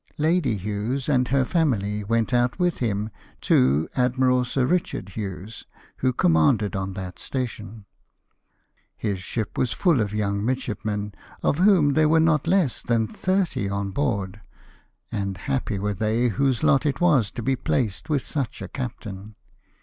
Lady Hughes and her family went out with him to Admiral Sir Kichard Hughes, who commanded on that station. His ship was full of young midshipmen, of whom there were not less than thirty on • board ; and happy were they whose lot it was to be placed with such a captain.